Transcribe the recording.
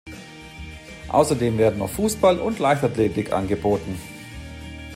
Außerdem werden noch Fußball und Leichtathletik angeboten.